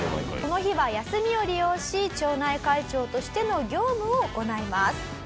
この日は休みを利用し町内会長としての業務を行います。